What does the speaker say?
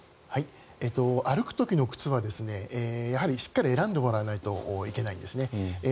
歩く時の靴はしっかり選んでもらわないといけないですね。